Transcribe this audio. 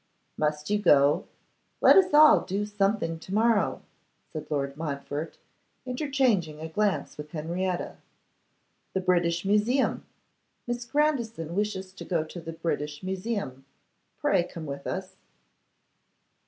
'Must you go? Let us all do something to morrow!' said Lord Montfort, interchanging a glance with Henrietta. 'The British Museum; Miss Grandison wishes to go to the British Museum. Pray come with us.